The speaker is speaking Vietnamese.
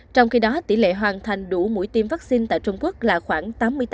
trong khi đó tỷ lệ hoàn thành đủ mũi tiêm vaccine tại trung quốc là khoảng tám mươi tám